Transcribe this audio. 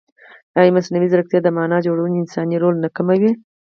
ایا مصنوعي ځیرکتیا د معنا جوړونې انساني رول نه کموي؟